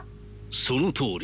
そのとおり。